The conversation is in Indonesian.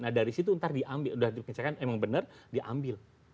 nah dari situ nanti diambil sudah dikenecekan emang benar diambil